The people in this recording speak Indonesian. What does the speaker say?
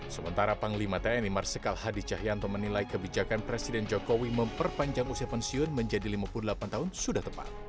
sementara panglima tni marsikal hadi cahyanto menilai kebijakan presiden jokowi memperpanjang usia pensiun menjadi lima puluh delapan tahun sudah tepat